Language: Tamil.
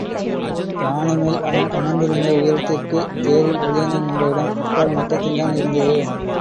யானைமேல் அவன் அமர்ந்திருந்த உயரத்திற்குத் தேரில் உதயணன் நின்ற இடம், முக்கால் மட்டத்தில்தான் இருந்தது.